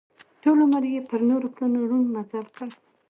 ټول عمر یې پر نورو پلونو ړوند مزل کړی.